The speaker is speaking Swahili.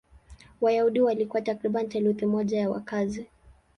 Wayahudi walikuwa takriban theluthi moja ya wakazi.